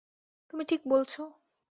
তুমি ঠিক বলছো।